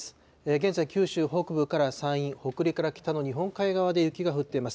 現在、九州北部から山陰、北陸から北の日本海側で雪が降っています。